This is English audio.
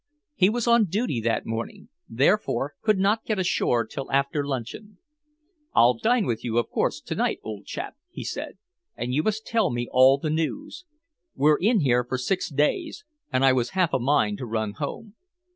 He was on duty that morning, therefore could not get ashore till after luncheon. "I'll dine with you, of course, to night, old chap," he said. "And you must tell me all the news. We're in here for six days, and I was half a mind to run home.